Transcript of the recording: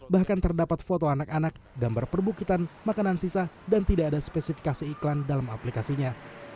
bahkan terdapat foto anak anak gambar perbukitan makanan sisa dan tidak ada spesifikasi iklan dalam aplikasinya